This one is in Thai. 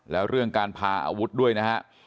แล้วเรื่องการพาอาวุธด้วยนะฮะ